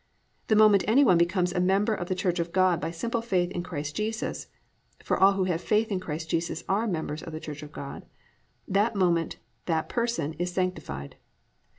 The moment any one becomes a member of the Church of God by simple faith in Christ Jesus, for all who have faith in Christ Jesus are members of the Church of God, that moment that person is sanctified.